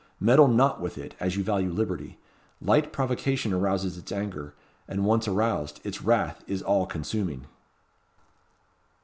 Meddle not with it, as you value liberty. Light provocation arouses its anger; and once aroused, its wrath is all consuming."